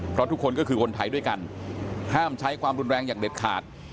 เพราะทุกคนก็คือคนไทยด้วยกันห้ามใช้ความรุนแรงอย่างเด็ดขาด